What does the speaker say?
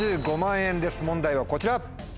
問題はこちら！